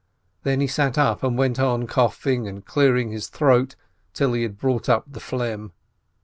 Then he sat up, and went on coughing and clearing his throat, till he had brought up the phlegm.